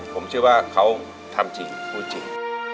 ผมเชื่อว่าเขาทำจริงพูดจริง